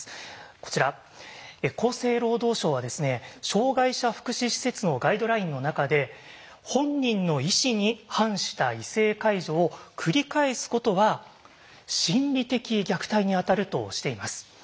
こちら厚生労働省は障害者福祉施設のガイドラインの中で本人の意思に反した異性介助を繰り返すことは心理的虐待にあたるとしています。